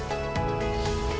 tapi kita harus berharap